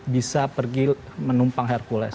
bisa pergi menumpang hercules